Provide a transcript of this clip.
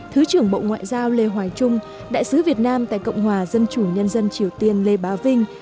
thứ trưởng bộ ngoại giao lê hoài trung đại sứ việt nam tại cộng hòa dân chủ nhân dân triều tiên lê bá vinh